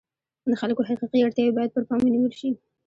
د خلکو حقیقي اړتیاوې باید پر پام ونیول شي.